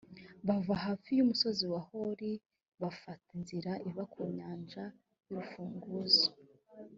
bava hafi y’umusozi wa hori, bafata inzira iva ku nyanja y’urufunzo.